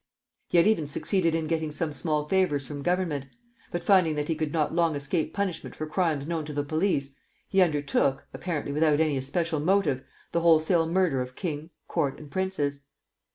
He had even succeeded in getting some small favors from Government; but finding that he could not long escape punishment for crimes known to the police, he undertook, apparently without any especial motive, the wholesale murder of king, court, and princes.